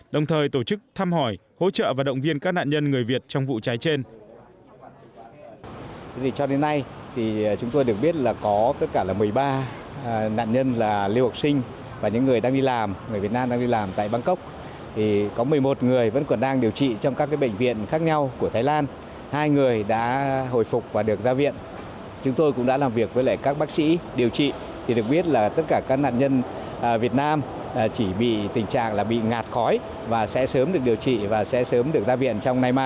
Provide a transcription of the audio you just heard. đồng thời tổ chức thăm hỏi hỗ trợ và động viên các nạn nhân người việt trong vụ cháy trên